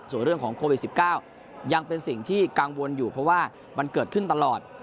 ส่วนเรื่องของโควิด๑๙ยังเป็นสิ่งที่กังวลอยู่เพราะว่ามันเกิดขึ้นตลอด